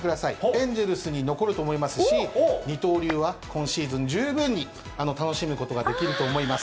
エンゼルスに残ると思いますし、二刀流は今シーズン十分に楽しむことができると思います。